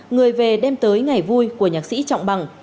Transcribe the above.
người về đem tới ngày vui của nhạc sĩ trọng bằng